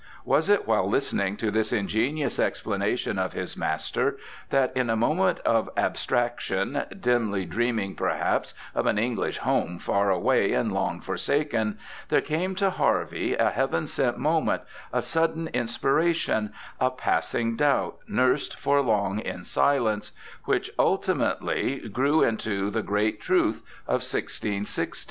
Was it while listening to this ingenious explanation of his master that, in a moment of abstraction— dimly dreaming, perhaps, of an English home far away and long forsaken— there came to Harvey a heaven sent moment, a sudden inspiration, a passing doubt nursed for long in silence, which ultimately grew into the great truth of i6i6?